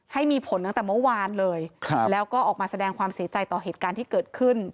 ให้มีผลตั้งแต่เมื่อวานเลยแล้วก็ออกมาแสดงความเสียใจต่อเหตุการณ์ที่เกิดขึ้น